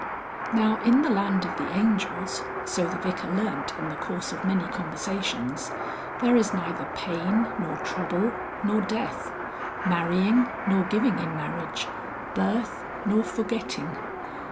Now in the land of the Angels, so the Vicar learnt in the course of many conversations, there is neither pain nor trouble nor death, marrying nor giving in marriage, birth nor forgetting.